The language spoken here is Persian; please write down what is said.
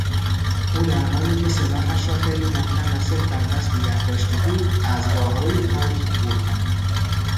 او در حالی که سلاحش را خیلی محکم و سفت در دست نگه داشته بود، از راهروی تاریک عبور کرد.